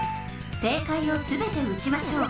正解をすべて撃ちましょう。